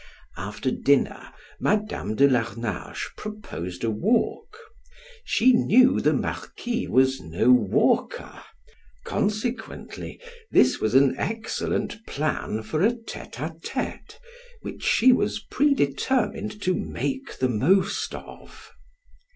After dinner, Madam de Larnage proposed a walk; she knew the marquis was no walker, consequently, this was an excellent plan for a tete a tete, which she was predetermined to make the most of.